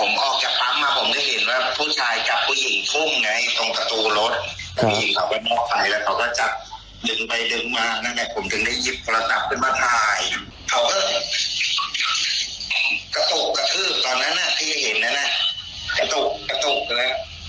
กปรุกขาดปุ๊รกป์แล้ว